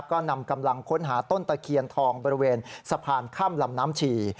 ก็นำกำลังค้นหาต้นตะเคียนทองบริเวณสะพานข้ามลำน้ำฉี่